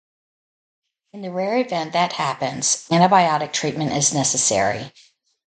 In the rare event that happens, antibiotic treatment is necessary.